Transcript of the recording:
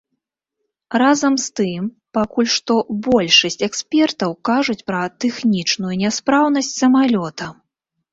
Разам з тым, пакуль што большасць экспертаў кажуць пра тэхнічную няспраўнасць самалёта.